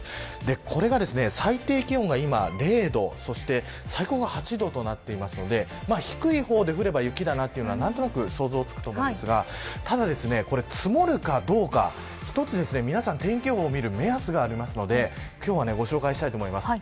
これが最低気温が今０度そして、最高が８度となっていますので低い方で降れば雪だというのが何となく想像がつくと思うんですがただ積もるかどうか、一つ皆さん、天気予報を見る目安がありますのでご紹介したいと思います。